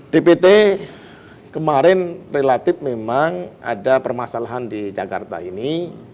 dpt kemarin relatif memang ada permasalahan di jakarta ini